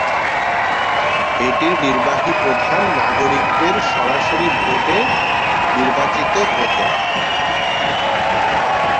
এটির নির্বাহী প্রধান নাগরিকদের সরাসরি ভোটে নির্বাচিত হতেন।